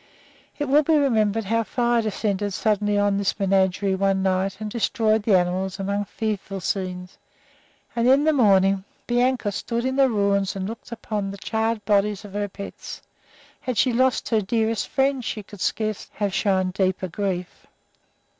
It will be remembered how fire descended suddenly on this menagerie one night and destroyed the animals amid fearful scenes. And in the morning Bianca stood in the ruins and looked upon the charred bodies of her pets. Had she lost her dearest friends, she could scarcely have shown deeper grief.